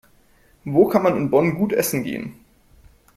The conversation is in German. Wo kann man in Bonn gut essen gehen?